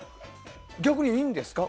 逆にいいんですか？